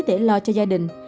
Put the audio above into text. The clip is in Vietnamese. để lo cho gia đình